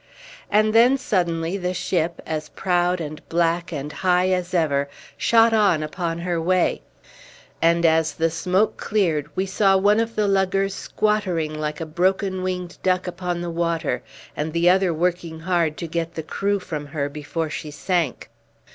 And then suddenly, the ship, as proud and black and high as ever, shot on upon her way; and as the smoke cleared we saw one of the luggers squattering like a broken winged duck upon the water, and the other working hard to get the crew from her before she sank.